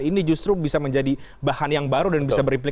ini justru bisa menjadi bahan yang baru dan bisa berimplika